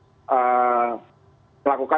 jadi itu adalah hal yang harus dilakukan